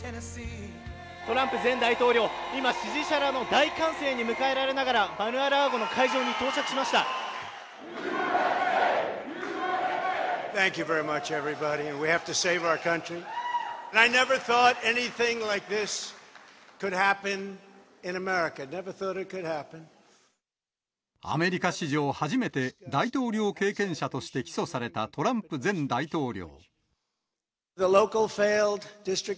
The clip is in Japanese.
トランプ前大統領、今、支持者らの大歓声に迎えられながら、アメリカ史上初めて、大統領経験者として起訴されたトランプ前大統領。